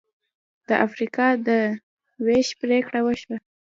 د افریقا د وېش پرېکړه وشوه.